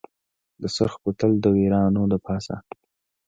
د سرخ کوتل دویرانو دپاسه